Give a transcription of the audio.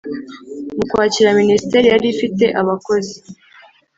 Mu Kwakira Minisiteri yari ifite abakozi